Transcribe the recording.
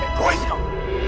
eh gue disini dong